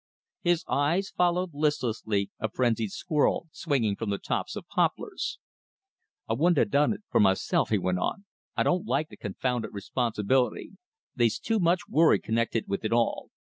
His eye followed listlessly a frenzied squirrel swinging from the tops of poplars. "I wouldn't 'a done it for myself," he went on. "I don't like the confounded responsibility. They's too much worry connected with it all.